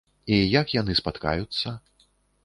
І як яны спаткаюцца?